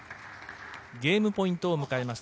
ゲームポイントを迎えました。